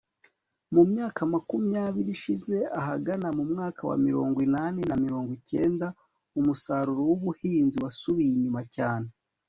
mu myaka makumyabiri ishize (ahagana mu wa mirongo inani na morongo icyenda umusaruro w'ubuhinzi wasubiye inyuma cyane